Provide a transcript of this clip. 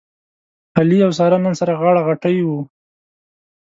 علي او ساره نن سره غاړه غټۍ و.